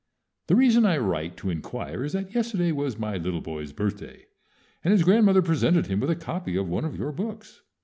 The reason I write to inquire is that yesterday was my little boy's birthday, and his grandmother presented him with a copy of one of your books.